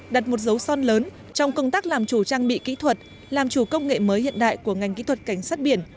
đặt một dấu son lớn trong công tác làm chủ trang bị kỹ thuật làm chủ công nghệ mới hiện đại của ngành kỹ thuật cảnh sát biển